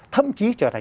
thậm chí trở thành